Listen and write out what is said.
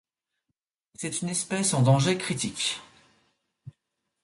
C'est une espèce en danger critique.